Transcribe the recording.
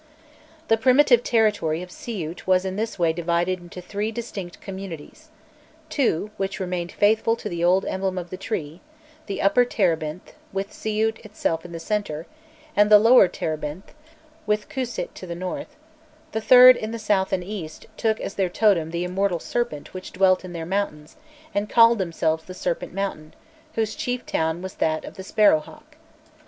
The primitive territory of Siût was in this way divided into three distinct communities; two, which remained faithful to the old emblem of the tree the Upper Terebinth, with Siût itself in the centre, and the Lower Terebinth, with Kûsit to the north; the third, in the south and east, took as their totem the immortal serpent which dwelt in their mountains, and called themselves the Serpent Mountain, whose chief town was that of the Sparrow Hawk.